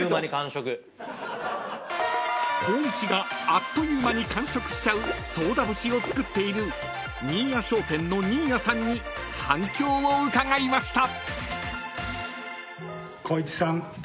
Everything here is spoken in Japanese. ［光一があっという間に完食しちゃう宗田節を作っている新谷商店の新谷さんに反響を伺いました］